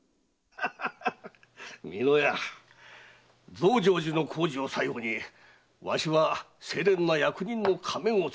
増上寺の工事を最後にわしは清廉な役人の仮面を付ける。